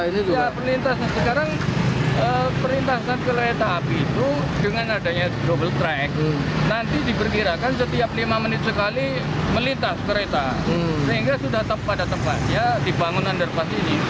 sehingga sudah pada tepat ya di bangunan underpass ini